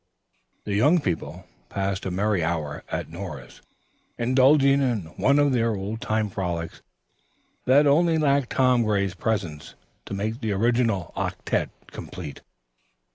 The young people passed a merry hour at Nora's, indulging in one of their old time frolics, that only lacked Tom Gray's presence to make the original octette complete.